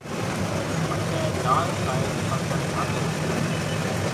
پڇيَ دال سائز پٿر گھاتو